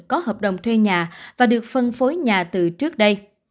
có hợp đồng thuê nhà và được phân phối nhà từ trước đây